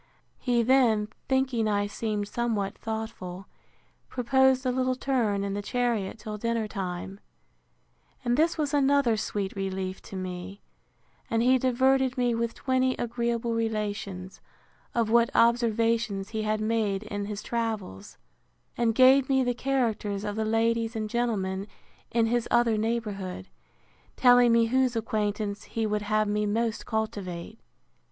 He then, thinking I seemed somewhat thoughtful, proposed a little turn in the chariot till dinner time: And this was another sweet relief to me; and he diverted me with twenty agreeable relations, of what observations he had made in his travels; and gave me the characters of the ladies and gentlemen in his other neighbourhood; telling me whose acquaintance he would have me most cultivate.